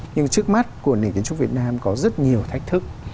nhưng trước mắt của nền kiến trúc việt nam có rất nhiều thách thức